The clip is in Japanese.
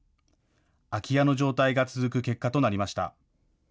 空き家の状態が続く結果となりました。